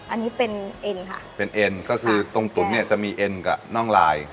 อันนี้เป็นเอ็นค่ะเป็นเอ็นก็คือตรงตุ๋นเนี่ยจะมีเอ็นกับน่องลาย